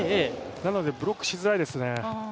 なのでブロックしづらいですね。